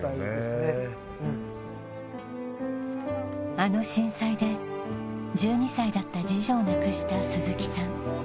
あの震災で１２歳だった次女を亡くした鈴木さん